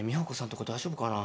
とこ大丈夫かな。